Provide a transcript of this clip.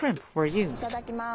いただきます。